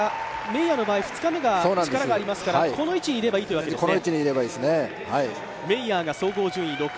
メイヤーの場合２日目が力がありますからこの位置にいればいいですね。